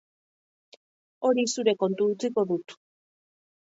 Hori zure kontu utziko dut.